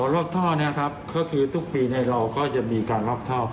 รอบท่อทุกปีในเราก็จะมีการรอบท่อ